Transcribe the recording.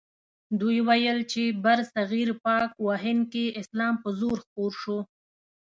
دوی ویل چې برصغیر پاک و هند کې اسلام په زور خپور شو.